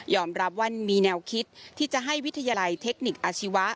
รับว่ามีแนวคิดที่จะให้วิทยาลัยเทคนิคอาชีวะ